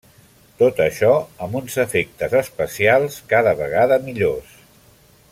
Tot això amb uns efectes especials cada vegada millors.